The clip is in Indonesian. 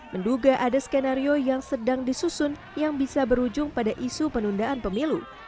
menduga ada skenario yang sedang disusun yang bisa berujung pada isu penundaan pemilu